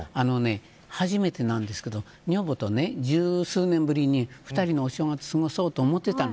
初めてなんですけど女房と十数年ぶりに２人のお正月を過ごそうと思ってたの。